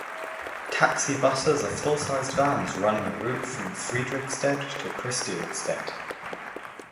Taxi buses are full-sized vans running a route from Frederiksted to Christiansted.